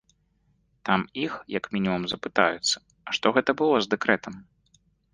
Там іх, як мінімум, запытаюцца, а што гэта было з дэкрэтам?